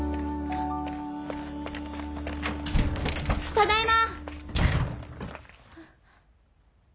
ただいま！